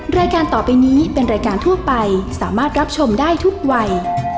รายการต่อไปนี้เป็นรายการทั่วไปสามารถรับชมได้ทุกวัย